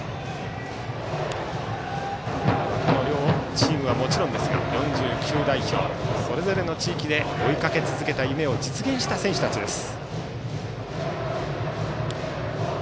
この両チームはもちろんですが４９代表それぞれの地域で追いかけ続けた夢を実現した選手たちです。